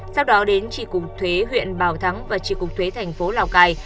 sau đó đến trị cục thuế huyện bảo thắng và trị cục thuế thành phố lào cai